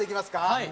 はい。